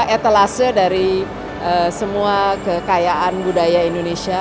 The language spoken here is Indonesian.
etalase dari semua kekayaan budaya indonesia